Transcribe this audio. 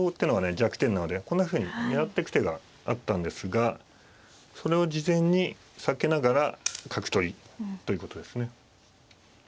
弱点なのでこんなふうに狙ってく手があったんですがそれを事前に避けながら角取りということですね。